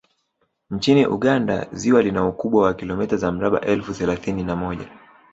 Nchini Uganda ziwa lina ukubwa wa kilomita za mraba elfu thelathini na moja